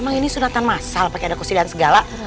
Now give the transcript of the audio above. emang ini suratan masal pake ada kursi dahan segala